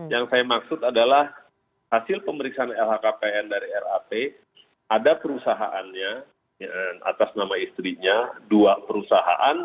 yang saya maksud adalah hasil pemeriksaan lhkpn dari rap ada perusahaannya atas nama istrinya dua perusahaan